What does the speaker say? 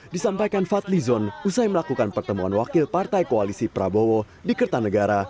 disampaikan fadli zon usai melakukan pertemuan wakil partai koalisi prabowo di kertanegara